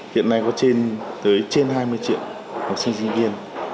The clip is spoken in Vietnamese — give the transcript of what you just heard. hiện nay có trên hai mươi triệu học sinh sinh viên